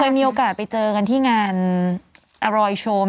มีโอกาสไปเจอกันที่งานอร่อยโชม